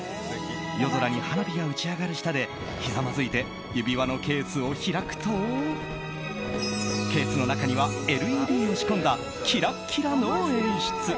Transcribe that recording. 夜空に花火が打ち上がる下でひざまずいて指輪のケースを開くとケースの中にはＬＥＤを仕込んだキラッキラの演出。